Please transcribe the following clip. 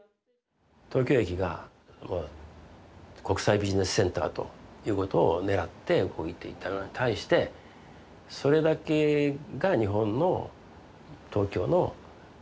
東京駅が国際ビジネスセンターということをねらって動いていたのに対してそれだけが日本の東京の魅力ではないはずだと。